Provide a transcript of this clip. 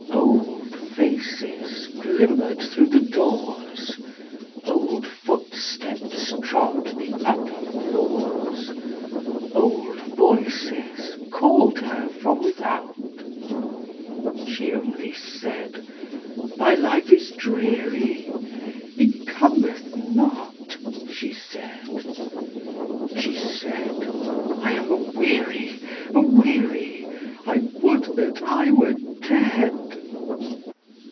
Old faces glimmer'd thro' the doors, Old footsteps trod the upper floors, Old voices call'd her from without. She only said, "My life is dreary, He cometh not," she said; She said, "I am aweary, aweary, I would that I were dead!"